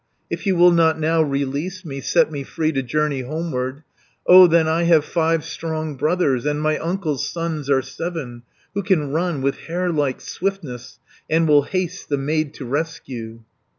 "If you will not now release me, Set me free to journey homeward, 230 O then I have five strong brothers, And my uncle's sons are seven, Who can run with hare like swiftness, And will haste the maid to rescue."